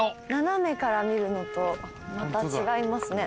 斜めから見るのとまた違いますね。